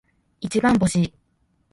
一番星